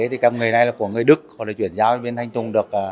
thì công nghệ này là của người đức họ đã chuyển giao cho bên thanh tùng được